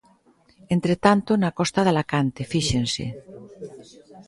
Entre tanto na costa de Alacante fíxense.